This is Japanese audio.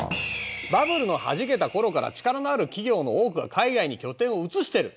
バブルのはじけた頃から力のある企業の多くが海外に拠点を移してる。